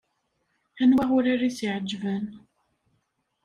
Anwa urar i s-iɛeǧben?